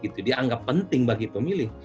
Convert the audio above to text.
yang penting bagi pemilih